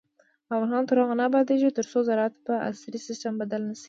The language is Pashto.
افغانستان تر هغو نه ابادیږي، ترڅو زراعت په عصري سیستم بدل نشي.